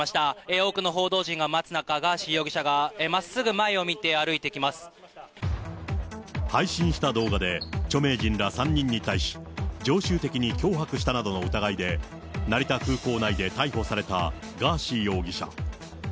多くの報道陣が待つ中、ガーシー容疑者がまっすぐ前を見て歩いて配信した動画で著名人ら３人に対し、常習的に脅迫したなどの疑いで、成田空港内で逮捕されたガーシー容疑者。